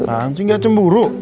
anjing gak cemburu